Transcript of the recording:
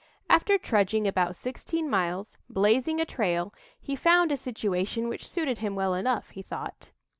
After trudging about sixteen miles, blazing a trail, he found a situation which suited him well enough, he thought.